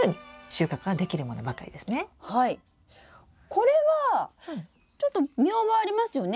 これはちょっと見覚えありますよね。